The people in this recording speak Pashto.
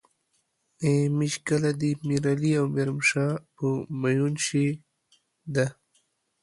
ای ميژ کله دې ميرعلي او میرومشا په میون شې ده